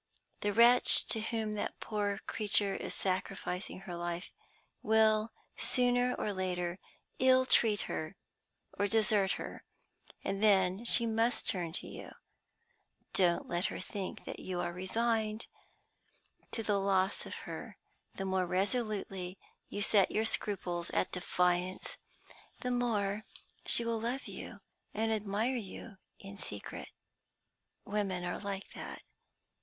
The wretch to whom that poor creature is sacrificing her life will, sooner or later, ill treat her or desert her and then she must turn to you. Don't let her think that you are resigned to the loss of her. The more resolutely you set her scruples at defiance, the more she will love you and admire you in secret. Women are like that.